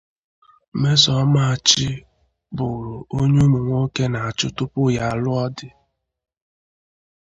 Nmesomachi bụru onye ụmụ nwoke na-achụ tupu ya lụọ di